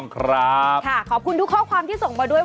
ขอบคุณทุกข้อความที่ส่งมาด้วย